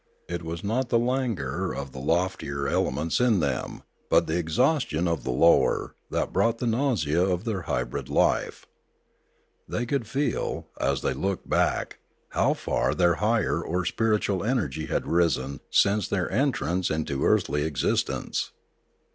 It was not the languor of the loftier element in them, but the exhaustion of the lower, that brought the nausea of their hybrid life. They could feel, as they looked back, how far their higher or spiritual energy had risen since their entrance into earthly ex istence.